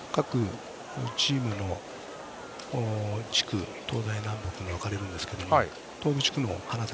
各チームの地区東西南北に分かれるんですけど東部地区の花咲